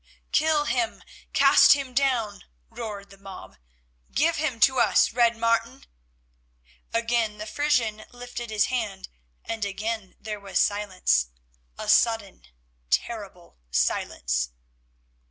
"Kill him! Cast him down!" roared the mob. "Give him to us, Red Martin." Again the Frisian lifted his hand and again there was silence; a sudden, terrible silence.